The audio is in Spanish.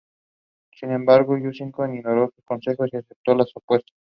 Sin embargo Yudhishthira ignoró sus consejos y aceptó la apuesta.